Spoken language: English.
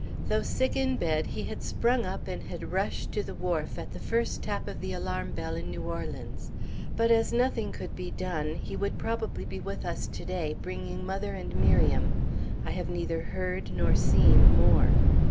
Though sick in bed, he had sprung up and had rushed to the wharf at the first tap of the alarm bell in New Orleans. But as nothing could be done, he would probably be with us to day, bringing mother and Miriam. I have neither heard nor seen more.